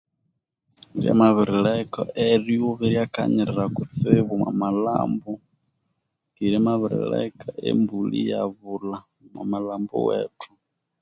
Byamabirireka eryuba iryakanyirira kutsibu omwamalambu keghe lyamabirireka embulha iyabula omumalambu wethu